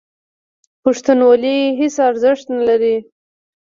پښتونولي هېڅ ارزښت نه لري.